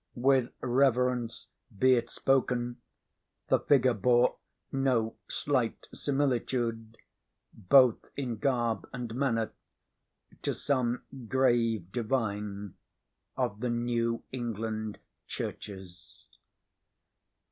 With reverence be it spoken, the figure bore no slight similitude, both in garb and manner, to some grave divine of the New England churches.